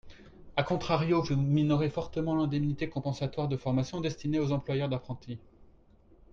A contrario, vous minorez fortement l’indemnité compensatoire de formation destinée aux employeurs d’apprentis.